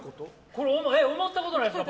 思ったことないですか？